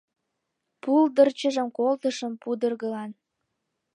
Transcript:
Пулдырчыжым колтышым пудыргылан.